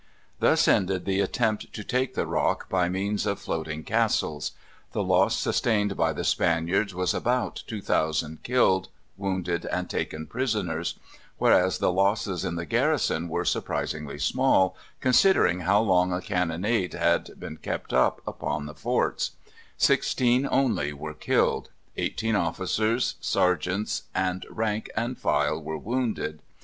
Thus ended the attempt to take the Rock by means of floating castles. The loss sustained by the Spaniards was about 2,000 killed, wounded, and taken prisoners; whereas the losses in the garrison were surprisingly small, considering how long a cannonade had been kept up upon the forts: 16 only were killed; 18 officers, sergeants, and rank and file were wounded.